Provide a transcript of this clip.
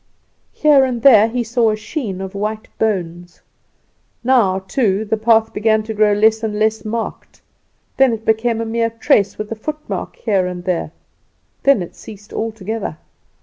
Here and there he saw a sheen of white bones. Now too the path began to grow less and less marked; then it became a mere trace, with a footmark here and there; then it ceased altogether.